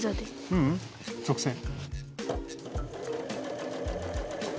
ううん直線。